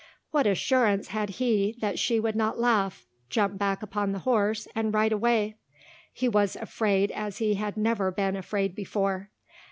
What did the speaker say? What assurance had he that she would not laugh, jump back upon the horse, and ride away? He was afraid as he had never been afraid before.